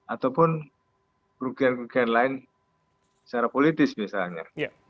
ataupun kerugian kerugian lain secara politis misalnya